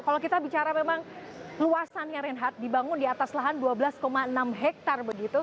kalau kita bicara memang luasannya reinhard dibangun di atas lahan dua belas enam hektare begitu